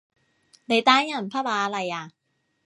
你單人匹馬嚟呀？